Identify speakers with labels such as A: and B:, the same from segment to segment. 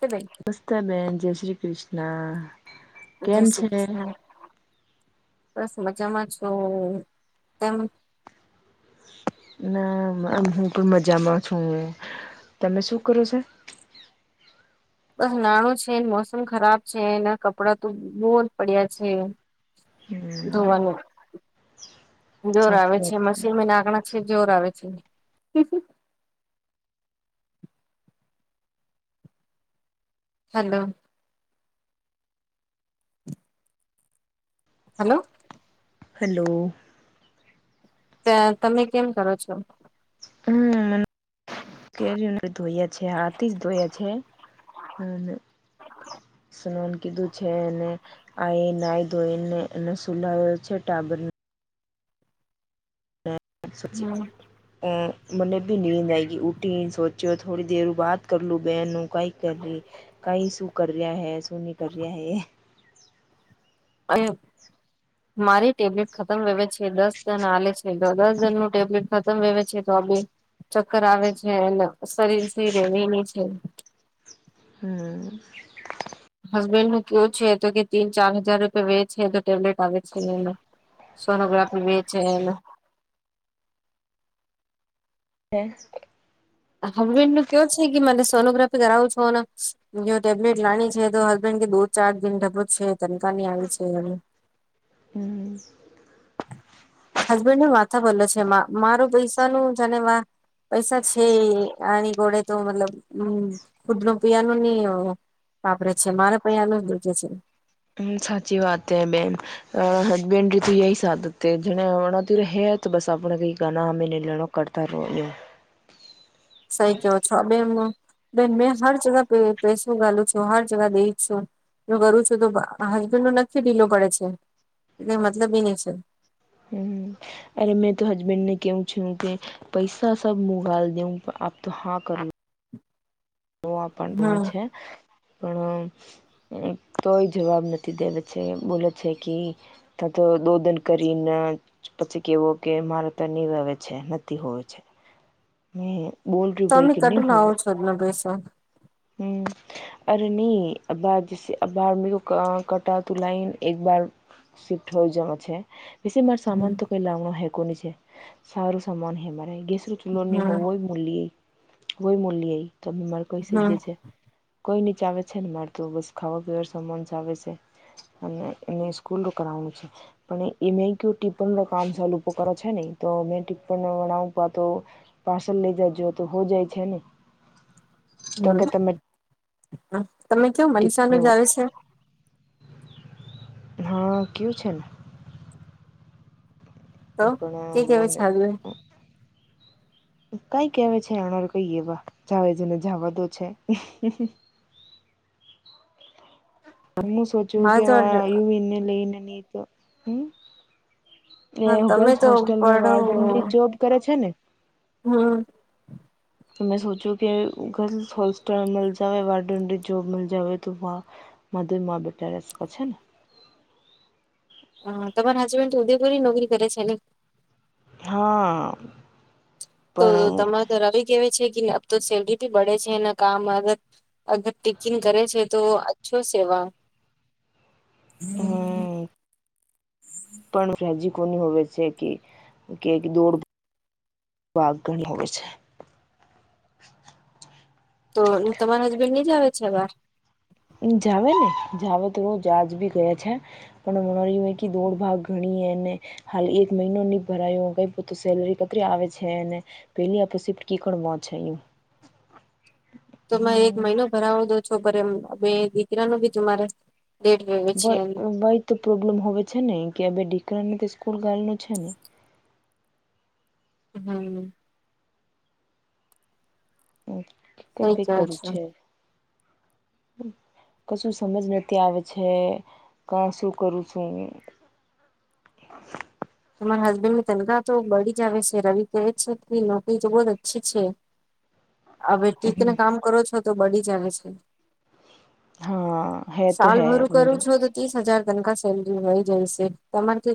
A: તો
B: નસ્ત, બેન જય શ્રી કૃષ્ણ
A: જય
B: કેમ
A: શ્રી
B: છે
A: કૃષ્ણ બસ મજામાં છ. તેમ
B: ના હુ, પણ મજામા છુ, તમે શું કરો છો.
A: બસ નાણ છે, મોસમ ખરાબ છેના કપડાં તો બહુ જ પડ્યા છે.
B: હમ
A: ધોવાનુ જોર
B: સાચી
A: આવે છે
B: વાત
A: મશીન માં નાકણા છે, જોર આવે છે. હલોલો હલો
B: હલો
A: ત તમે કેમ કરો છો.
B: કેરી ધોયા છે હાથી જ ધોયા છે. અને સનન કીધું છે. અનેને આ એ નાય ધોઈને એ સુલાવ્યો છે. ટાબર હ સચી
A: હમ
B: અ મને ભી નનીંદ આય, ગ ઉઊઠી સોચ્યો થોડી દર બાદ કરલું બહેનું કાઈક કર ર કઈ શું કર રહ્યા હૈ શું નહી કર રહ્યા હ
A: અ મારી ટેબ્લેટ ખતમ વવે છે દસ દન આાલે છે. દા જન ન ટેબ્લેટ ખતમ વ છે. તો આે ચક્કર આવે છે, અને શરીરથી રેવીની છે.
B: હમ.
A: હસબેન્ડ નું કેવુ છે, તો કે તીન ચાર હજાર રૂપિયા વે છે તો ટેબ્લેટ આવે છે એને સોનોગ્રાફી વેચે
B: હે.
A: હસબેન્ડ નું કેવું છે, કે મને સોનોગ્રાફી કરાવું છો જો ટેબલેટ લાની છે, તો હસબન્ડ કે દો ચાર દિન ડબો છે, તનકાની આવી છે, એ
B: હમ.
A: હસબેન્ડ ની માથા બોલો છે, મારો પૈસા ન જાને પૈસા છે આની ગોડે તો મતલબ હમ ખુદ નુ પીવાનું નહી વાપરે છે મારે પ આનું જ દજે છે.
B: હમ સાચી વાત હૈ બેન. હસબેન્ડ ત એ સાધ જે હણાતી હે બસ આપણે કઈ ગાના અમે નઈ લેણ. કરતા રો હી.
A: સહી કેવો છો બે. બેન મેં હર જગ પે પૈસું ગાલું છું, હર જગા દઈ છું. જો કરું છું તો હસબેન્ડ નો નક્કી ઢીલો પડે છે, એટલે મતલબ એ નહી છે.
B: હમ. અરે મેં તો હસબેન્ડ કેવુ છું કે પૈસા સબ મુગાલ દઉ આપ તો હા કરો. તોવા પણ
A: હમ
B: છે પણ. કોઈ જવાબ નથી દેવે છે બોલે છે કે. ત તો દોધન કરીને પછી કેવો કે મારે તો નીરવે છે નથી હોય છે
A: [inaudible]
B: હમ્મ બોલ. રહ્યું
A: તમે
B: ભાઈ કે
A: કટ ના આવો છો જ ન પૈસો
B: હમ. અરે નહી આબાર જ અબાર કટા તું લાઇન એકબાર શિફ્ટ હોય જમ છે. પી મારે
A: હમ
B: સામાન તો કઈ લાવનો હેકો ન છે સારું સામાન હે મારે ગેસર ચૂલો નહી
A: હમ
B: હોવય. [unintelligible] તમે મારે કોઈ સ જે છે કોઈ નીચ આવે છે ને મારતું બસ ખાવા પીવાનું સમાન આવે છે. અને એ સ્કૂલ રું કરઉ છે. પણ એમે ક ટીપણ કામ કરો છે નહી તો મે ટીપણ પાવ તો. પાર્સલ લઇ જજો તો હો જાય છે ને. તો કે તમે.
A: હ તમે કવ મનીષા નું
B: ટિપ્પણી
A: જ આવે છે.
B: હા કુ છે ને.
A: તો કે
B: એ
A: કેવા છે હાજબેન્ડ
B: ના એલો. કઈ કેવા છે એનાર કઈ એવા જાવજ ને જવા દો છે. હમું સોચ્યું
A: મારે તો
B: કેવા
A: હા
B: હું એને લે એને ન તો હમ. એ
A: તમે
B: ગર્લ્સ
A: તો
B: હોસ્ટેલ
A: પડો
B: વાર્ડન ભી જોબ કરે છે ને.
A: હમ.
B: મે સોચ્યું કે ગર્લ્સ હોસ્ટેલ માં જાવે વોડન રી જોબ તો. મધુમાં બેસ છે.
A: હ તમાર હસબન્ડ તો ઉદ્યોગોરી નોકરી કરે છે ને.
B: હા.
A: તો
B: પણ
A: તમારે તો રવી કેવા છે કે તો સેલરી બડે છે એના કામ. અગર પિકિંગ કરે છે તો અછો સેવા
B: હમ પણ સજી કોની હોવે છે કે કે દોડ. [inaudible]
A: તો તમારા હસબેન્ડ ની જ આવે છે વા
B: જાવ ને જાવ તો બ જજ ભી ગયા છે પણ મ રહ. દોડ ભાગ ઘણી એ ને. હાલ એક મહિનો નહીં ભરાયો કંઈ બધી સેલરી કઈ થીઆવે છે એને [inaudible]
A: તો એક મહિનો ભરાવો દો છો પર એમ બે દીકરા ન ભી તું મારે [inaudible]
B: ભય તો પ્રોબ્લેમ હો છે ને કે દીકરાને તો સ્કૂલ છે ને.
A: હમ.
B: હ
A: સઈ
B: કઈ
A: કેવ
B: કરું
A: છો
B: છે. કશું સમજ નથી આવે છે ક શું કરું નય.
A: તમારા હસબન્ડ ની તનખા તો બળી જ આવે છે રવિ કહે છે કે, નોકરી તો બહુ જ અચ્છી છે. હવે ટીકીને કામ કરો છો તો બડી જલે છે.
B: હા હે તો
A: સાલ
B: હે
A: ભરું કરું છું તો ત્રીસ હજાર તનકા સેલરી મળી જાય છે તમારે કે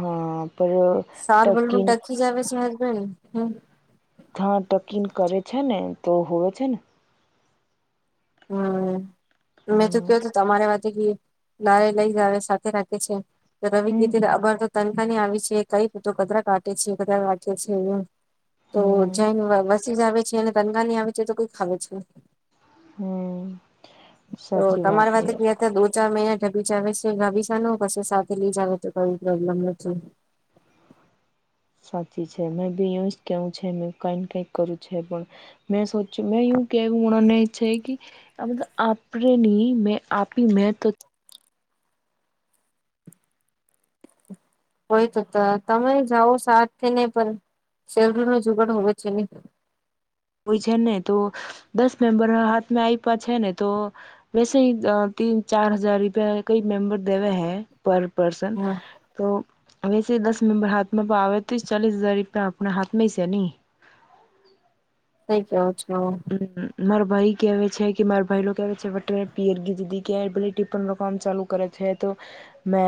B: હા પર ટકીન
A: [inaudible]
B: હા ટકીન કરે છે ને તો હોવે છે ને
A: હમ મેં તો
B: હમ
A: કહ તું તમારે વાત હારે લઈ જ આવે સાથે રાખે છે રવિ કીર્તિને અમાર તો તનખાની આવી છે કઈ તો કધરા કાટેે છે કરા કાટે છે એમ તો
B: હમ
A: જને વસી જ આવે છે અને તનગાની આવે છે તો કોઈ ખાવ જ
B: હમ
A: તો
B: સાચી
A: તમારી
B: એ
A: વાત ક્યા હતા દો ચાર મહિને તાબીજ આવે છે ગાબીસા ન પ સાથે લઈ જ આવે તો કઈ પ્રોબ્લેમ નથી.
B: સાચી છે મે બી એ કેવું છે મે કઈને કઈક કરું છે પણ [inaudible] આ બધી આપણે નહી મેં આપી મેં તો
A: હોય તો તમે જાઓ સાથે નહી પણ સેલરી નો જુગાડ હોવે છે નહી
B: હોય છે ને તો દસ મેમ્બર હાથમાં આપ્યા છે ને તો વેસે તીન ચાર હજાર રૂપિયા કઈ મેમ્બર દેવે હૈ પર પરસન
A: હા
B: તો વૈસે દસ મેમ્બર હાથમાં આવેવે તો ચાલીસ હજાર રૂપિયા આપણા હાથમાં છે નય.
A: થઈ કે [inaudible]
B: મારા ભાઈ કેવે છે કે મારા ભાઈ ન કે છે કે ટીફીન નુ કામ ચાલુ કરે છે તો મે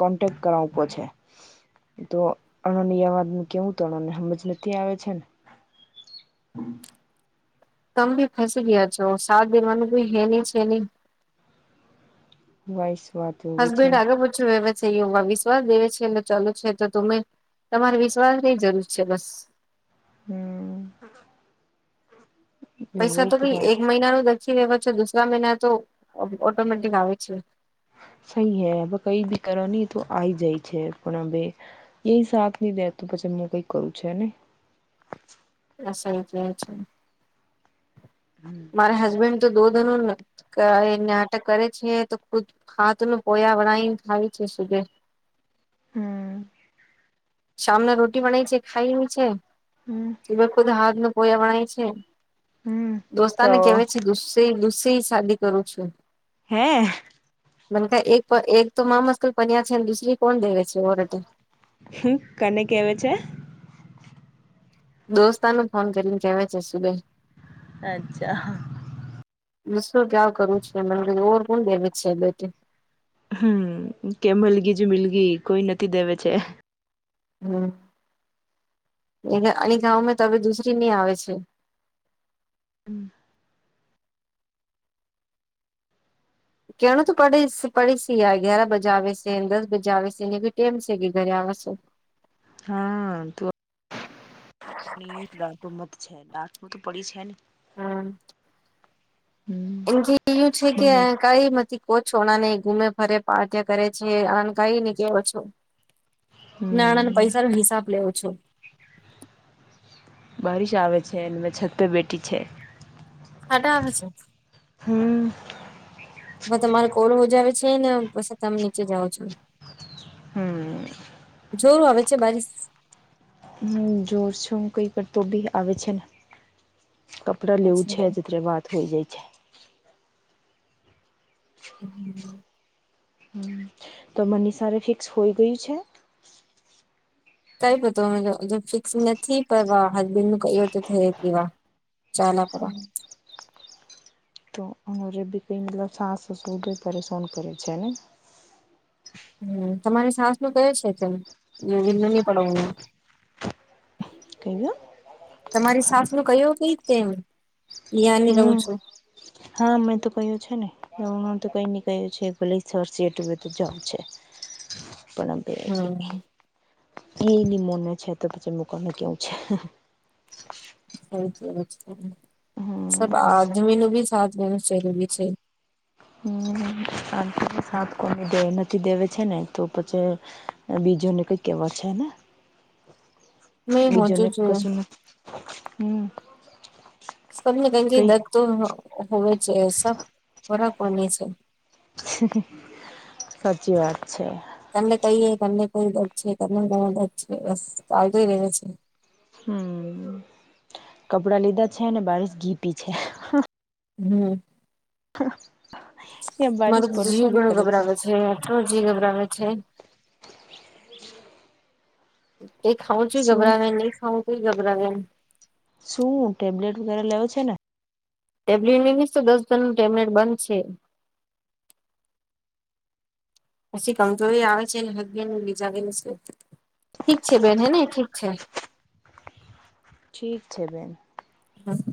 B: કોન્ટેક્ટ કરાવ પર છે. તો અણનયાવાદ કેવું તણને સમજ નથી આવે છે ને હમ
A: તમે ભી ફસી ગયા છો સાત દિવા નું ભી હે નય છે નય
B: વયસવાટ
A: હસબન્ડ આગળ પૂછ્યું સહયોગમાં વિશ્વાસ દેવે છે એટલે ચાલ છે તો તમે તમારે વિશ્વાસની જરૂર છે બસ.
B: હમ
A: પૈસા
B: વહી
A: તો ભી
B: વાત
A: એક મહિના ન દખી લેવા છે દુસરા મહિના તો ઓટોમેટિક આવે છે.
B: સહી હે હવે કઈ બી કરવાની તો આવીઈ જાય છે પણ હ એ સાથ નહી દે તો પછી હું કઈક કરું છે ને
A: [inaudible]
B: હમ
A: મારે હસબેન્ડ તો દો ધનોને ક એ નાટક કરે છે તો ખુદ હાત નું પોયા વળ થાય છે સુજે
B: હમ [inaudible]
A: સામને રોટી બનાાય છે ખાઈ એવી છે.
B: હમ [inaudible]
A: ત ખુદ હાથ ન પોયા વણાય છે
B: હમ તો
A: દોસ્તાને કેવા છે ગુસ્ લુસે શાદી કરું છું.
B: હે
A: બણકા એક એક તો મામસ્કલ પનિયા છેને દુસરી કોણ દેવે છે ઓ રતે [unintelligible]
B: હ કને કેવા છે.
A: દોસ્તાને ફોન કરીને કેવા છે સુદાઈ
B: અચ્છા
A: શું ક્યાં કરવું છ મને ઓર કોણ દેવી છે બેટે
B: હમ કે મલગી જો મિલગી કોઈ નથી દેવે છે.
A: હમ આની ગંમાં તવે દુસરી નહી આવે છે.
B: હમ [inaudible] [unintelligible]
A: કેણું તો પડી પડીશ ગ્યાર બજા આવે છે દસ બજા આવે છે એને ભી ટેમ છે કે ઘરે આવેશ
B: હા તું [inaudible] [unintelligible] ાટ મત છે દાટમ તો પડી છે ને [unintelligible]
A: હમ
B: હમ
A: એમ કે ું છે કે
B: મણી
A: કઈ થી કો છો ના નહી ગુમે ફરે પાર્ટ્યા કરે છે અણ કઈ ને કેવો છો નાના ના
B: હમ
A: પૈસા નો હિસાબ લેવો છો
B: બારિશ આવેે છે એમાં છતપે બેટી છે
A: સાડા હ છે [inaudible] [unintelligible]
B: હમ
A: હ તમારે કોળું મજાવ છે ને પછ તમે નીચે જાાવ છો.
B: હમ
A: જોર આવે છે બારીશ
B: હમ જોર છુંું કઈ વાર તો બી આવે છે ને કપડા લેવું
A: અચ્છા
B: છે જત્ર વાત હોય જાય છે.
A: હમ [inaudible] [unintelligible]
B: હમ તો મને સારે ફિક્સ હોઈ ગયું છે.
A: કઈ ફિક્સ નથી કરવા હસબેન્ડ નું ક તો થઈ કેવા ચાાલ પરા [inaudible] [unintelligible]
B: તો અરે બી કઈ મત સાસસ ઉડે ત્યારે સોન કરે છે ને
A: હમ તમારી સાસ નું કયો છે તેમ વિ નહી પડ
B: કહીયા [inaudible] [unintelligible]
A: તમારી સાસ નું કયોું કઈતેમ
B: હમ હા મેં તો કહ્યું છે ને એ હ આમ તો કઈ ન કહ્યું છે ભલે સર સિટું તો જઉ છે પણ
A: હમ
B: એની મોને છે તો પછી મકવાનું કેવું છે.
A: સ
B: હમ
A: સબ આદમી નું બી સાથ ગું જરૂરી છે
B: હ સાત કોનેે નથી દેવે છે ને તો પછી બીજો ને કઈ કેવ છે ને
A: [inaudible] [unintelligible] મેં હોચું
B: બીજોને
A: જો
B: કશું હમ
A: તમને કી દ
B: કઈ
A: તો હોવે છે સબ ખોરાકની છે.
B: સાચી વાત છે.
A: તમને કહીએ તમને કોઈ દદ છે તમને ઘણ દદ છે બસ ચાલતોય રહ્યો છે.
B: હમ કપડાં લીધા છે ને બારશ ઘીપી છે.
A: હમ
B: એ
A: મારો
B: બારીશ
A: તો જી
B: પરેશાન
A: ઘણો
B: કરે
A: ગભરાવે છે અટલો જી ગભરાવે છે એ ખાઉ છ
B: શું
A: ઘબરાવે નઈ ખાં છ તોું ઘબરાવે
B: શું ટેબ્લેટ વગેરે લેવ છે ને
A: ટેબ્લેટ નીસ દસ જણનું ટેબ્લેટ બંધ છે પછી કમજોરી આવે છે હસબેન્ડ બીજા ઠીક છે બેન હે ન ઠીક છે
B: ઠીક છે બેન
A: હા